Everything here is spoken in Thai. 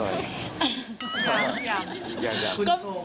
ยัง